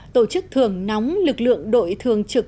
tổ chức thường nóng lực lượng đội thường trực